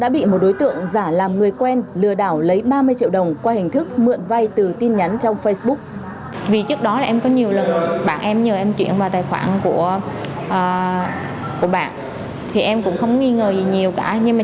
bị một đối tượng giả làm người quen lừa đảo lấy ba mươi triệu đồng qua hình thức mượn vai từ tin nhắn trong facebook